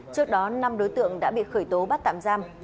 trước đó năm đối tượng đã bị khởi tố bắt tạm giam